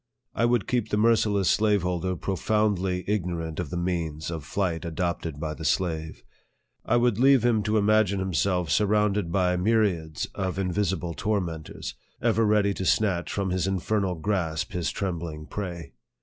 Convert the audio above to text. I would keep the merci less slaveholder profoundly ignorant of the means of flight adopted by the slave. I would leave him to im agine himself surrounded by myriads of invisible tor mentors, ever ready to snatch from his infernal grasp his trembling prey.